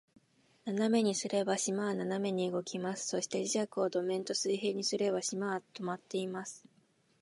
斜めにすれば、島は斜めに動きます。そして、磁石を土面と水平にすれば、島は停まっています。